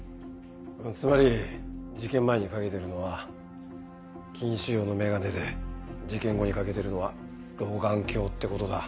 つまり事件前に掛けてるのは近視用の眼鏡で事件後に掛けてるのは老眼鏡ってことだ。